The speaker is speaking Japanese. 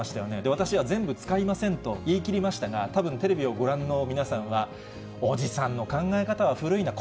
私は全部使いませんと、言いきりましたが、たぶん、テレビをご覧の皆さんは、おじさんの考え方は古いな。